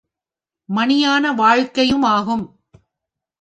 மணியான வாழ்க்கையும் ஆகும்.